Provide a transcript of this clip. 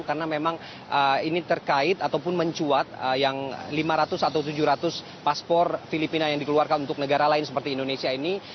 karena memang ini terkait ataupun mencuat yang lima ratus atau tujuh ratus paspor filipina yang dikeluarkan untuk negara lain seperti indonesia ini